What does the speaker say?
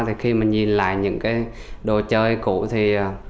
thì khi mà nhìn lại những cái đồ chơi cũ thì